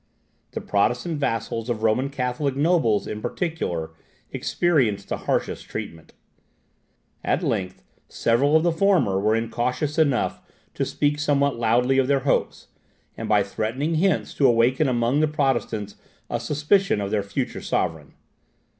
The Protestant vassals of Roman Catholic nobles, in particular, experienced the harshest treatment. At length several of the former were incautious enough to speak somewhat loudly of their hopes, and by threatening hints to awaken among the Protestants a suspicion of their future sovereign.